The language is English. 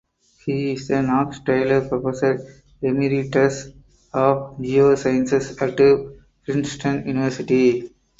He is the Knox Taylor Professor emeritus of Geosciences at Princeton University.